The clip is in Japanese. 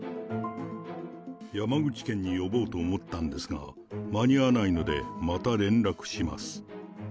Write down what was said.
山口県に呼ぼうと思ったんですが、間に合わないので、また連絡します。